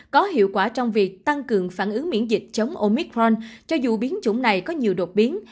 có hiệu quả trong việc tăng cường phản ứng miễn dịch chống oicron cho dù biến chủng này có nhiều đột biến